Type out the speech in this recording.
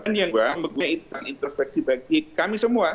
dan yang membeku itu introspeksi bagi kami semua